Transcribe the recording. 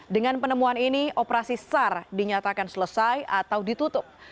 dengan penemuan ini operasi sar dinyatakan selesai atau ditutup